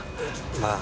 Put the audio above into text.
まあ。